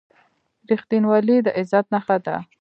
• رښتینولي د عزت نښه ده.